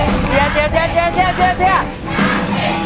นั่นก็คือทีม